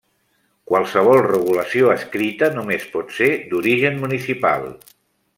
Qualsevol regulació escrita només pot ser d'origen municipal.